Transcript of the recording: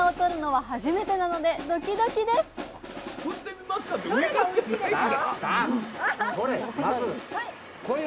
どれがおいしいですか？